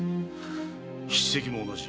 筆跡も同じ。